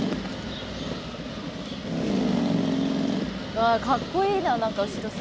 わあかっこいいな何か後ろ姿。